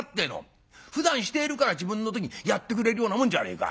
ふだんしているから自分の時にやってくれるようなもんじゃねえか。